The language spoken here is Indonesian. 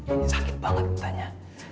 ini sakit banget ditanya